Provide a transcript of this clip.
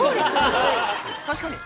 確かに！